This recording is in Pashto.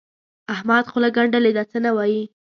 احمد خوله ګنډلې ده؛ څه نه وايي.